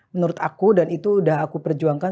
menurut aku dan itu udah aku perjuangkan